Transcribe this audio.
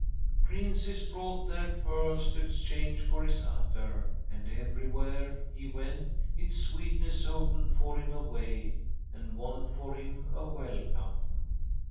"'Princes brought their pearls to exchange for his attar, and everywhere he went its sweetness opened for him a way and won for him a welcome.